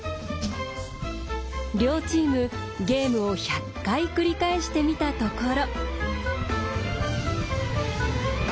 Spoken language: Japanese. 両チームゲームを１００回繰り返してみたところ。